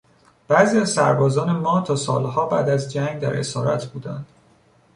بعضی از سربازان ما تا سالها بعد از جنگ در اسارت بودند.